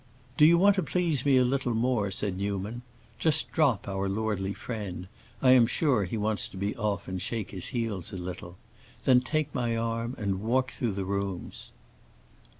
"Do you want to please me a little more?" said Newman. "Just drop our lordly friend; I am sure he wants to be off and shake his heels a little. Then take my arm and walk through the rooms."